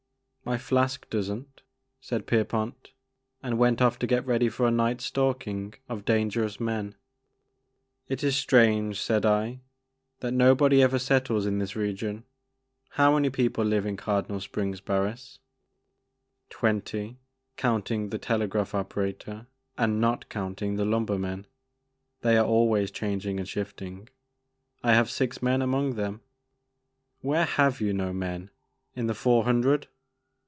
My flask does n't," said Pierpont, and went off to get ready for a night's stalking of dan gerous men. It is strange," said I, "that nobody ever settles in this region. How many people live in Cardinal Springs, Barns?" " Twenty counting the telegraph operator and not counting the lumbermen ; they are always changing and shifting. I have six men among them." "Where have you no men? In the Four Hundred?"